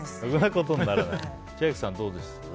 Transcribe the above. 千秋さん、どうです？